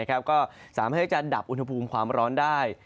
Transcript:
ก็สามารถให้จะดับอุณหภูมิความร้อนได้